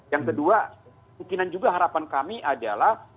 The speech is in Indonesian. yang kedua mungkinan juga harapan kami adalah